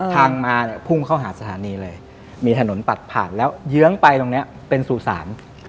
ทางมาเนี่ยพุ่งเข้าหาสถานีเลยมีถนนตัดผ่านแล้วเยื้องไปตรงนี้เป็นสู่ศาล